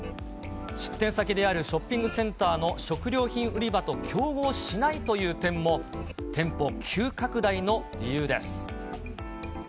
出店先であるショッピングセンターの食料品売り場と競合しないという点も、店舗急拡大の理由です。